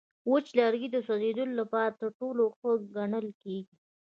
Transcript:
وچ لرګی د سوځولو لپاره تر ټولو ښه ګڼل کېږي.